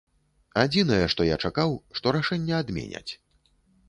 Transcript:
Адзінае, што я чакаў, што рашэнне адменяць.